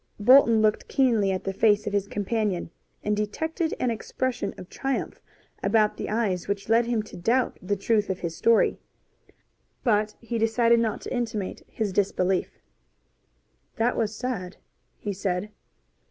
Bolton looked keenly at the face of his companion, and detected an expression of triumph about the eyes which led him to doubt the truth of his story. But he decided not to intimate his disbelief. "That was sad," he said.